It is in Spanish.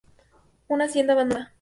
Una hacienda abandonada.